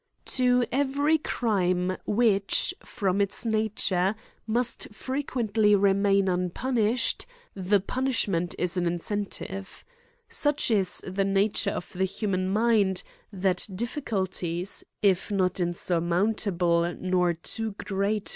To every crime which, from its nature, must frequently remain unpunished, the punishment is 120 AN ESSAY ON an incentive. Such is the i ature of the human mind, that difficulties, if not unsurmountable, nof too great.